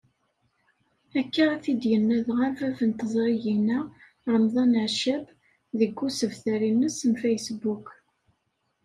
Akka i t-id-yenna dɣa bab n teẓrigin-a, Remḍan Accab, deg usebter-ines n Facebook.